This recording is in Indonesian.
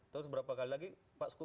terus berapa kali lagi pak